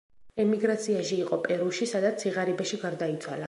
ემიგრაციაში იყო პერუში, სადაც სიღარიბეში გარდაიცვალა.